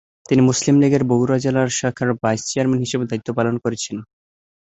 তিনি মুসলিম লীগের বগুড়া জেলা শাখার ভাইস চেয়ারম্যান হিসাবে দায়িত্ব পালন করেছেন।